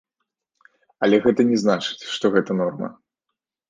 Але гэта не значыць, што гэта норма.